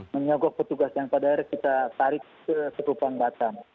menyogok petugas yang pada akhirnya kita tarik ke sekupang batam